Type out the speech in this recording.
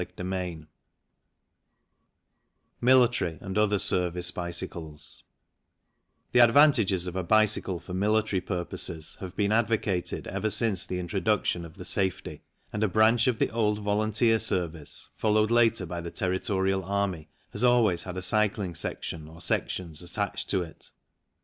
CHAPTER XV MILITARY AND OTHER SERVICE BICYCLES THE advantages of a bicycle for military purposes have been advocated ever since the introduction of the safety, and a branch of the old volunteer service, followed later by the Territorial Army, has always had a cycling section or sections attached to it.